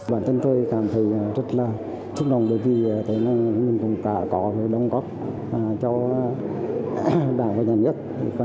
bản thân tôi cảm thấy rất là thích mong bởi vì mình cũng đã có hợp đồng góp cho đảng và nhà nước